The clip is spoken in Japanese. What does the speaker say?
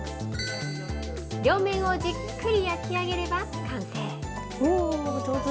両面をじっくり焼き上げれば完成。